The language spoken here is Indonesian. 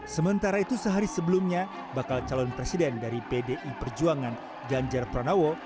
sementara itu sehari sebelumnya bakal calon presiden dari pdi perjuangan ganjar pranowo